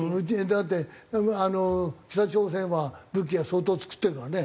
だってあの北朝鮮は武器は相当作ってるからね。